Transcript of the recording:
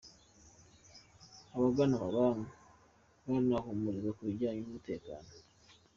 Abagana amabanki barahumurizwa ku bijyanye n’umutekano.